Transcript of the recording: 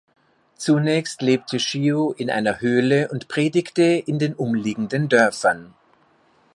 Zunächst lebte Schio in einer Höhle und predigte in den umliegenden Dörfern.